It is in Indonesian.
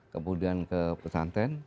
kemudian ke pesanten